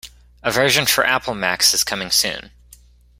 A version for Apple Macs is coming soon.